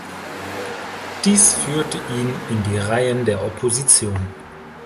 Dies führte ihn in die Reihen der Opposition.